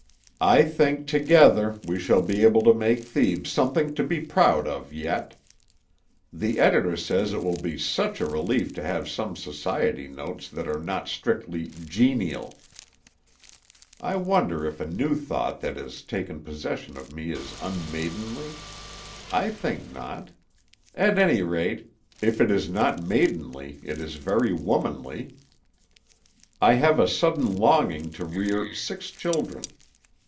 I think, together, we shall be able to make Thebes something to be proud of yet. The editor says it will be such a relief to have some society notes that are not strictly "genial." I wonder if a new thought that has taken possession of me is unmaidenly? I think not. At any rate, if it is not maidenly it is very womanly. I have a sudden longing to rear six children.